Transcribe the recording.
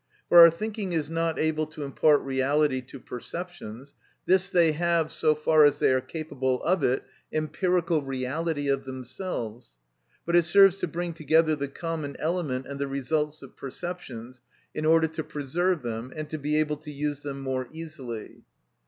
For our thinking is not able to impart reality to perceptions; this they have, so far as they are capable of it (empirical reality) of themselves; but it serves to bring together the common element and the results of perceptions, in order to preserve them, and to be able to use them more easily.